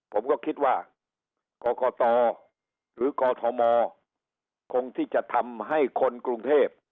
ผมก็คิดว่ากรกตหรือกอทมคงที่จะทำให้คนกรุงเทพ